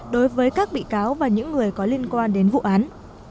đối với các bị cáo và những người có liên quan đến vụ án